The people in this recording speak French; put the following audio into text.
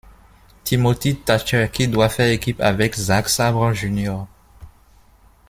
Timothy Thatcher qui doit faire équipe avec Zack Sabre, Jr.